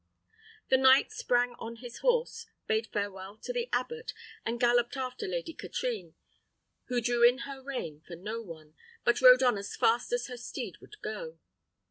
The knight sprang on his horse, bade farewell to the abbot, and galloped after Lady Katrine, who drew in her rein for no one, but rode on as fast as her steed would go.